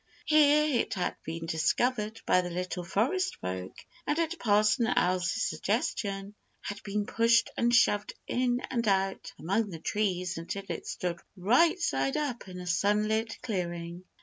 Here it had been discovered by the Little Forest Folk, and at Parson Owl's suggestion, had been pushed and shoved in and out among the trees until it stood right side up in a sunlit clearing.